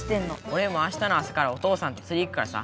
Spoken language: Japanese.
おれもあしたの朝からお父さんとつり行くからさ。